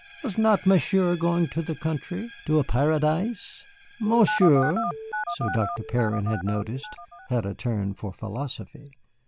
Was not Monsieur going to the country, to a paradise? Monsieur so Dr. Perrin had noticed had a turn for philosophy.